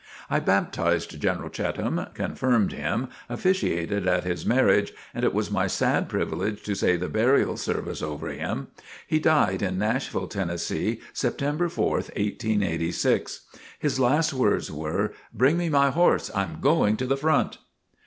I baptized General Cheatham, confirmed him, officiated at his marriage, and it was my sad privilege to say the burial service over him. He died in Nashville, Tennessee, September 4th. 1886. His last words were: "Bring me my horse! I am going to the front!"